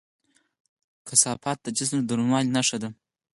کثافت د جسم د دروندوالي نښه ده.